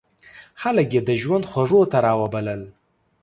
خلک یې د ژوند خوږو ته را وبلل.